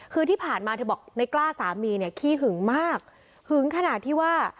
คือที่ผ่านมาเธอบอกในกล้าสามีเนี่ยขี้หึงมากหึงขนาดที่ว่า